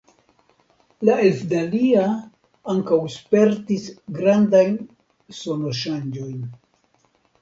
La elfdalia ankaŭ spertis grandajn sonoŝangojn.